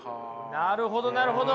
なるほどなるほど。